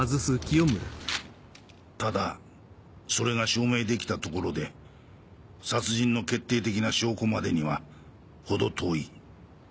ただそれが証明できたところで殺人の決定的な証拠までには程遠い。